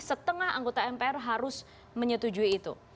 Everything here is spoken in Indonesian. setengah anggota mpr harus menyetujui itu